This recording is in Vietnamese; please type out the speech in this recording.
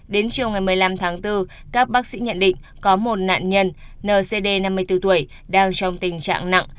đến chiều ngày một mươi năm tháng bốn các bác sĩ nhận định có một nạn nhân ncd năm mươi bốn tuổi đang trong tình trạng nặng